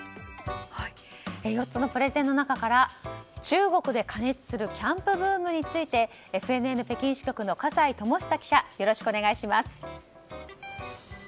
４つのプレゼンの中から中国で過熱するキャンプブームについてＦＮＮ北京支局の葛西友久記者よろしくお願いします。